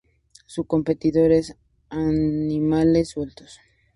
Su competidor es: Animales sueltos.